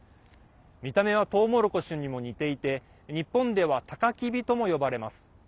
見た目はトウモロコシにも似ていて日本ではたかきびとも呼ばれます。